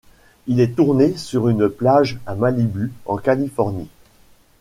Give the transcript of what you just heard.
Il est tourné sur une plage à Malibu en Californie.